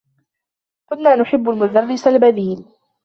كنّا نحبّ المدرّس البديل.